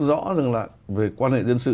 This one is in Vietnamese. rõ rằng là về quan hệ dân sự